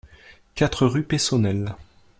quatre rue Peyssonnel